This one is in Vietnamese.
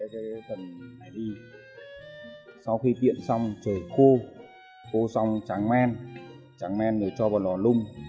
cần này đi sau khi tiện xong trời khô khô xong tráng men tráng men rồi cho vào lò lung